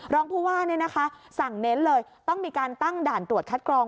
รองผู้ว่าสั่งเน้นเลยต้องมีการตั้งด่านตรวจคัดกรอง